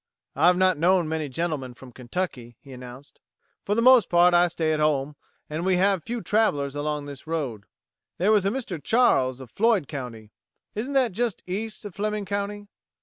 "I've not known many gentlemen from Kentucky," he announced. "For the most part I stay at home, and we have few travelers along this road. There was a Mr. Charles, of Floyd County. Isn't that just east of Fleming County!"